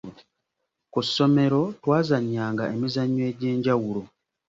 Ku ssomero twazannyanga emizannyo egy’enjawulo.